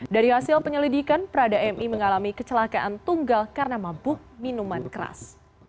dari hasil penyelidikan prada mi mengalami kecelakaan tunggal karena mabuk minuman keras